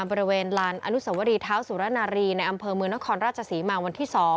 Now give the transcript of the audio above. บริเวณลานอนุสวรีเท้าสุรนารีในอำเภอเมืองนครราชศรีมาวันที่๒